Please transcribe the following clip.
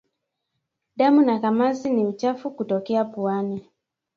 Damu na kamasi au uchafu kutokea puani